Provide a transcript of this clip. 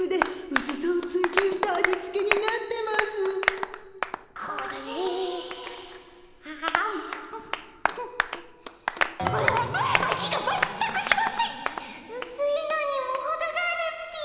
うすいのにもほどがあるっピ。